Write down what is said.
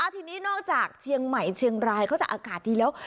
ทีนี้นอกจากเชียงใหม่เชียงรายเขาจะอากาศดีแล้ว